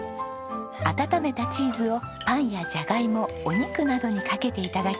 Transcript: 温めたチーズをパンやジャガイモお肉などにかけて頂きます。